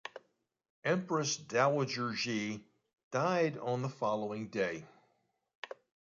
Empress Dowager Cixi died on the following day.